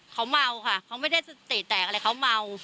เขาเมาค่ะเขาไม่ได้สติแตกอะไรเขาเมา